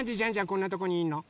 こんなとこにいんの？